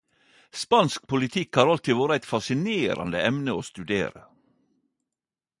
Spansk politikk har alltid vore eit fascinerande emne å studere.